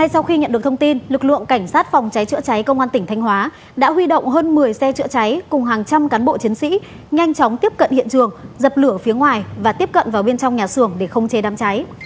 sau khi nhận được thông tin lực lượng cảnh sát phòng cháy chữa cháy công an tỉnh thanh hóa đã huy động hơn một mươi xe chữa cháy cùng hàng trăm cán bộ chiến sĩ nhanh chóng tiếp cận hiện trường dập lửa phía ngoài và tiếp cận vào bên trong nhà xưởng để khống chế đám cháy